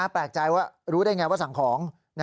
แปลกใจว่ารู้ได้ไงว่าสั่งของ